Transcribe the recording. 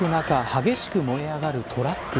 激しく燃え上がるトラック。